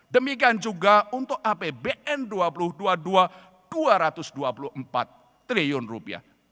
demikian juga untuk apbn dua ribu dua puluh dua dua ratus dua puluh empat triliun rupiah